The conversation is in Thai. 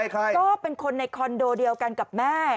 ก็เป็นคนในคอนโดเดียวกันกับแม่